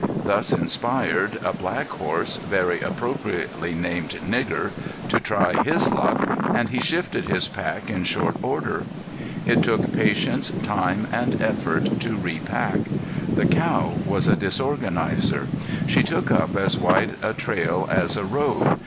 This inspired a black horse, very appropriately christened Nigger, to try his luck, and he shifted his pack in short order. It took patience, time, and effort to repack. The cow was a disorganizer. She took up as wide a trail as a road.